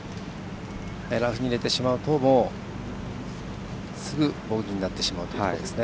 ラフに入れてしまうとすぐボギーになってしまうというところですね。